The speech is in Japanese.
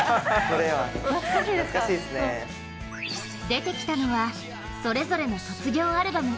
出てきたのはそれぞれの卒業アルバム。